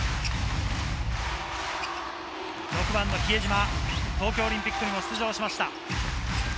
６番の比江島、東京オリンピックにも出場しました。